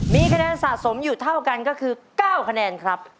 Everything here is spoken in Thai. มีคะแนนสะสมอยู่เท่ากันก็คือ๙คะแนนครับ